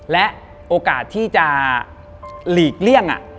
และโอกาสที่จะหลีกเลี่ยง